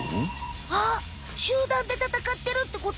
あっ集団で戦ってるってこと？